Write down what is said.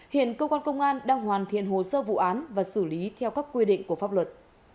hiện cơ quan công an đang hoàn thiện hồ sơ vụ án và xử lý theo các quy định của pháp luật